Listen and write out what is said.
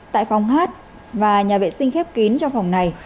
tại phòng hát và nhà vệ sinh khép kín cho phòng này